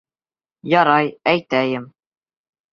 Ярай, әйтәйем.